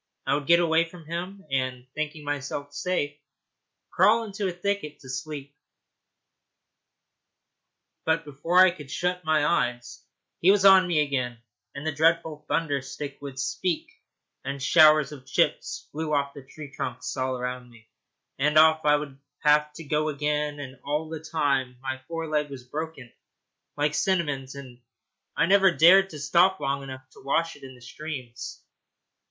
I would get away from him, and, thinking myself safe, crawl into a thicket to sleep; but before I could shut my eyes he was on me again, and the dreadful thunder stick would speak, and showers of chips flew off the tree trunks all round me, and off I would have to go again. And all the time my fore leg was broken, like Cinnamon's, and I never dared to stop long enough to wash it in the streams.